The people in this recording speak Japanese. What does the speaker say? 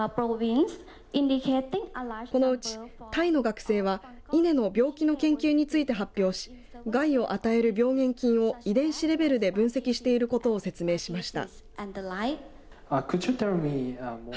このうちタイの学生は稲の病気の研究について発表し害を与える病原菌を遺伝子レベルで分析していることを説明しました。